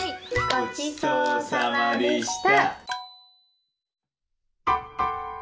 ごちそうさまでした。